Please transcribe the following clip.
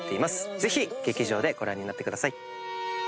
ぜひ劇場でご覧になってください。